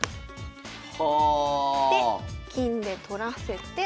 はあ！で金で取らせて。